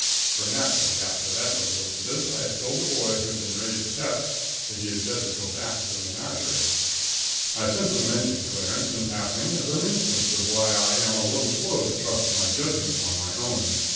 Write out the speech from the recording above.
For, naturally, after that little incident, I had told the boy who had been raised a pet that he had better go back to the menagerie. I simply mention Clarence in passing as an instance of why I am a little slow to trust my judgment on my own.